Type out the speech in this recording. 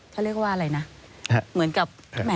เขาเรียกว่าอะไรนะเหมือนกับ